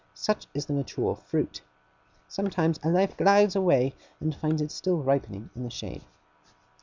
Such is the mature fruit. Sometimes a life glides away, and finds it still ripening in the shade.